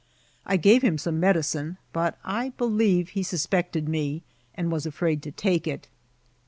I gave him some medicinei but I believe he suspected me, and was afraid to take it.